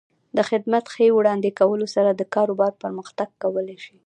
د خدمت ښې وړاندې کولو سره د کاروبار پرمختګ کولی شي.